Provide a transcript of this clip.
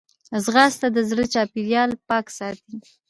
ځغاسته د زړه چاپېریال پاک ساتي